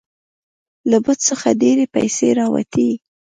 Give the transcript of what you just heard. له بت څخه ډیرې پیسې راوتې.